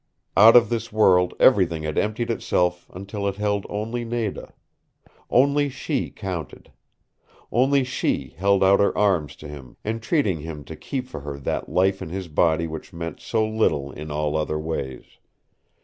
Out of this world everything had emptied itself until it held only Nada. Only she counted. Only she held out her arms to him, entreating him to keep for her that life in his body which meant so little in all other ways.